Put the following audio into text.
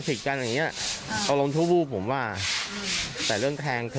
พีชนี่ภรรยาของผู้ก่อเหตุก็ไปขอโทษเพื่อนผู้ตายนะครับ